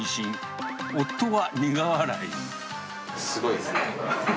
すごいですね。